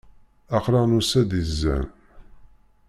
Aql-aɣ nusa-d di zzan.